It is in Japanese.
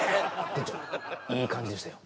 店長いい感じでしたよ